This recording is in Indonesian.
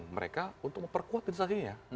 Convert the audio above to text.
mereka untuk memperkuat kejaksaan